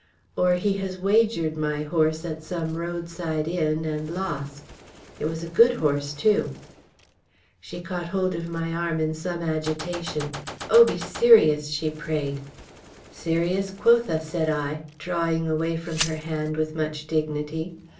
"Or he has wagered my horse at some roadside inn and lost! It was a good horse, too." She caught hold of my arm in some agitation. "Oh! be serious!" she prayed. "Serious quotha!" said I, drawing away from her hand with much dignity.